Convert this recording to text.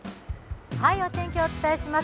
お天気をお伝えします。